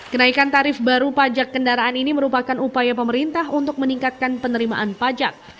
kenaikan tarif baru pajak kendaraan ini merupakan upaya pemerintah untuk meningkatkan penerimaan pajak